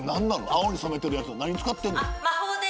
青に染めとるやつは何使ってんの？